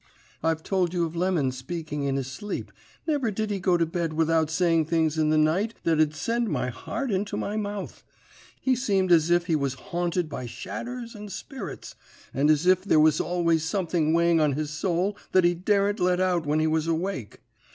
"I've told you of Lemon speaking in his sleep never did he go to bed without saying things in the night that'd send my heart into my mouth. He seemed as if he was haunted by shadders and spirits, and as if there was always something weighing on his soul that he daren't let out when he was awake.